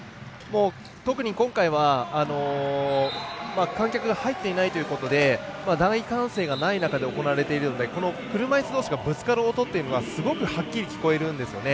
特に今回は観客が入っていないということで大歓声がない中で行われているのでこの車いすどうしがぶつかる音というのがすごくはっきり聞こえるんですね。